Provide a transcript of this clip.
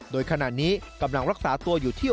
โดยขณะนี้กำลังรักษาตัวอยู่ที่